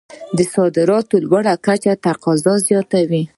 د صادراتو لوړه کچه تقاضا زیاتوي.